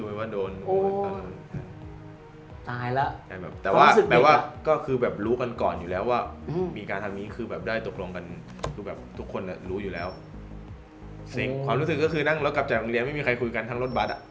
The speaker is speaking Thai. ความรู้สึกก็คือนั่งรถกลับจากโรงเรียนไม่มีใครคุยกันทั้งรถบัตร